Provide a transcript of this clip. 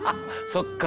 そっか。